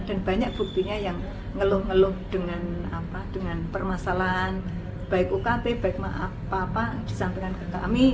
dan banyak buktinya yang ngeluh ngeluh dengan apa dengan permasalahan baik ukt baik apa apa disampaikan ke kami